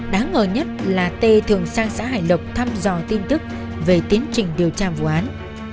đáng ngờ nhất là t thường sang xã hải lộc thăm dò tin tức về tiến trình điều tra vụ án